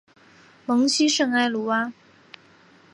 蒙希圣埃卢瓦。